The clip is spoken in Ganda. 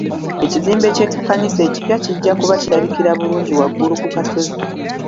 Ekizimbe ky'ekkanisa ekipya kijja kuba kirabikira bulungi waggulu ku kasozi.